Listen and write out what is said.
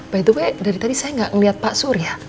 by the way dari tadi saya gak ngeliat pak sur ya